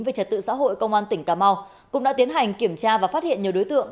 về trật tự xã hội công an tỉnh cà mau cũng đã tiến hành kiểm tra và phát hiện nhiều đối tượng